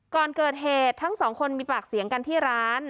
ก่อนเกิดเหตุทั้งสองคนมีปากเสียงกันที่ร้าน